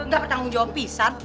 gak bertanggung jawab pisar